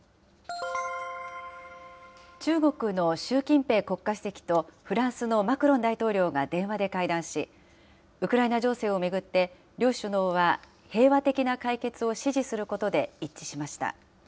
中国の習近平国家主席とフランスのマクロン大統領が電話で会談し、ウクライナ情勢を巡って、両首脳は平和的な解決を支持することで一致しました。